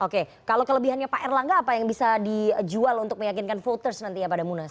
oke kalau kelebihannya pak erlangga apa yang bisa dijual untuk meyakinkan voters nanti ya pada munas